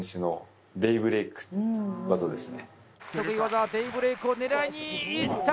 得意技デイブレイクを狙いにいった！